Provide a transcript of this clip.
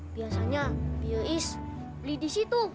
biasanya bioes beli di situ